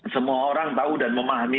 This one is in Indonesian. semua orang tahu dan memahami